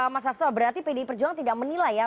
mas hasto berarti pdi perjuangan tidak menilai ya